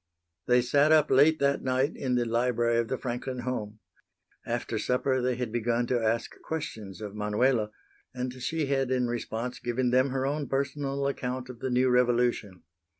They sat up late that night in the library of the Franklin home. After supper they had begun to ask questions of Manuela, and she had in response given them her own personal account of the new revolution.